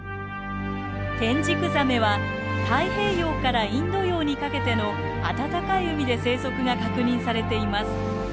テンジクザメは太平洋からインド洋にかけてのあたたかい海で生息が確認されています。